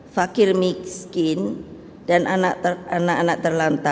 fakir miskin dan anak anak terlantar